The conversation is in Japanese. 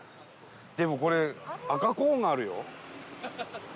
でもこれ赤コーンがあるよ。